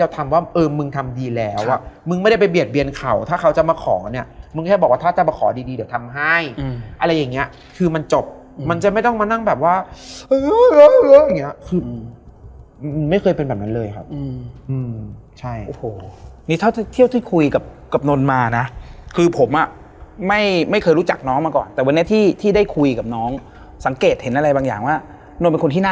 แต่คนปกติก็จะนอนเอาเท้าออกข้างนอก